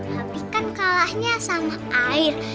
tapi kan kalahnya sama air